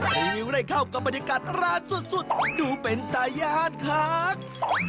ให้รีวิวได้เข้ากับบรรยากาศร้านสุดดูเป็นตายาหันคาก